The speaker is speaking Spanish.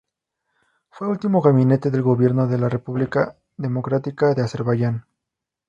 Fue último gabinete del gobierno de la República Democrática de Azerbaiyán,